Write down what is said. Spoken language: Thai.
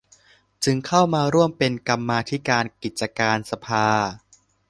จึงเข้ามาร่วมเป็นกรรมาธิการกิจการสภา